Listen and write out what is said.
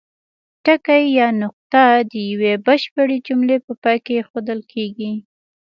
ټکی یا نقطه د یوې بشپړې جملې په پای کې اېښودل کیږي.